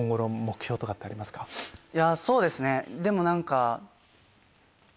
そうですねでも何か。